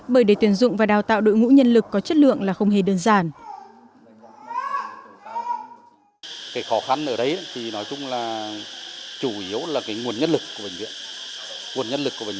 bởi để tuyển dụng và đào tạo đội ngũ nhân lực có chất lượng là không hề đơn giản